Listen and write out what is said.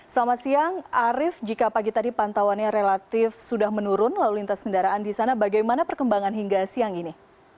selamat siang arief jika pagi tadi pantauannya relatif sudah menurun lalu lintas kendaraan di sana bagaimana perkembangan hingga siang ini